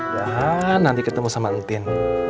dan nanti ketemu sama entin